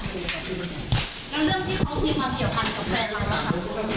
แล้วเรื่องที่เค้ากินมาเกี่ยวขันกับแฟนเราจะคะ